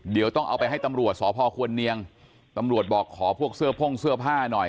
เดี๋ยวต้องเอาไปให้ตำรวจสพควรเนียงตำรวจบอกขอพวกเสื้อพ่งเสื้อผ้าหน่อย